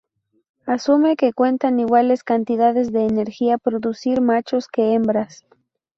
Asume que cuestan iguales cantidades de energía producir machos que hembras.